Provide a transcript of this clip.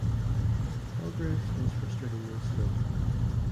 Progress was frustratingly slow.